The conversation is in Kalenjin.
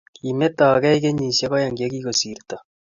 Kimetegei kenyishek aeng che kokosirto